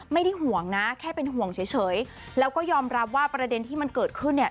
ไม่ได้ห่วงนะแค่เป็นห่วงเฉยแล้วก็ยอมรับว่าประเด็นที่มันเกิดขึ้นเนี่ย